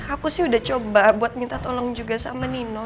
aku sih udah coba buat minta tolong juga sama nino